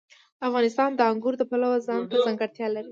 افغانستان د انګور د پلوه ځانته ځانګړتیا لري.